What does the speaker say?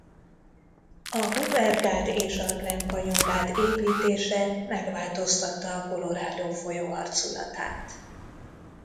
A Hoover-gát és a Glen Canyon gát építése megváltoztatta a Colorado folyó arculatát.